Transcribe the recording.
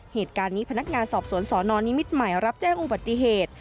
เหตุการณ์นี้พนักงานสอบสวนสนนิมิตรใหม่รับแจ้งอุบัติเหตุ